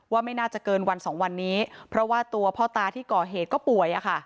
ไม่น่าจะเกินวันสองวันนี้เพราะว่าตัวพ่อตาที่ก่อเหตุก็ป่วย